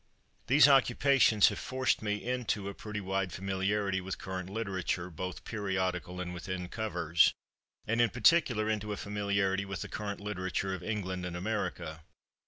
These occupations have forced me into a pretty wide familiarity with current literature, both periodical and within covers, and in particular into a familiarity with the current literature of England and America.